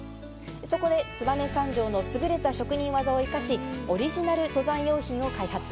そこで燕三条のすぐれた職人技を生かし、オリジナル登山用品を開発。